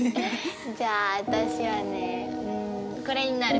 じゃあ私はねぇんこれになる。